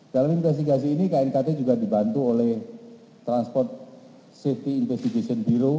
dalam investigasi ini knkt juga dibantu oleh transport safety investigation bureau